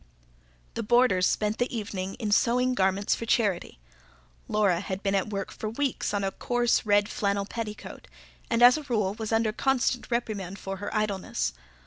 The boarders spent the evening in sewing garments for charity. Laura had been at work for weeks on a coarse, red flannel petticoat, and as a rule was under constant reprimand for her idleness.